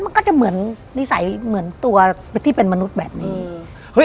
มันก็จะเหมือนนิสัยเหมือนตัวที่เป็นมนุษย์แบบนี้